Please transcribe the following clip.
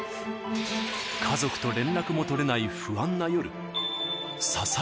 家族と連絡も取れない不安な夜。